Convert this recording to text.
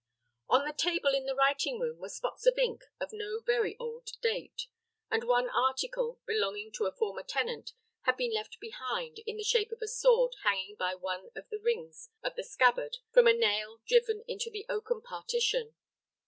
On the table, in the writing room, were spots of ink of no very old date; and one article, belonging to a former tenant had been left behind, in the shape of a sword hanging by one of the rings of the scabbard from a nail driven into the oaken partition.